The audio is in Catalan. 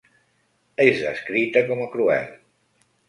És descrita com a cruel.